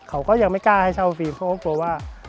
เขาก็ยังไม่กล้าให้เช่าฟิล์มเขาก็กลัวว่า